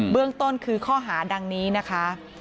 เรื่องต้นคือข้อหาดังนี้นะคะ